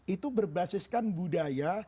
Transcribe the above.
itu berbasiskan budaya